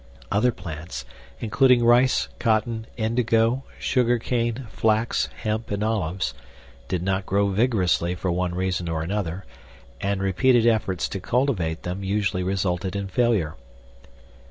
Other plants, including rice, cotton, indigo, sugarcane, flax, hemp, and olives, did not grow vigorously for one reason or another, and repeated efforts to cultivate them usually resulted in failure.